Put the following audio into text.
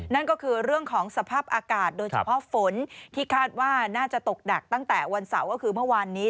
นั่นก็คือเรื่องของสภาพอากาศโดยเฉพาะฝนที่คาดว่าน่าจะตกหนักตั้งแต่วันเสาร์ก็คือเมื่อวานนี้